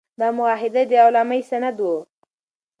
دا معاهده د غلامۍ سند و.